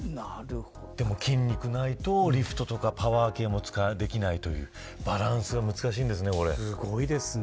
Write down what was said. でも筋肉ないとリフトとかパワー系もできないというすごいですね。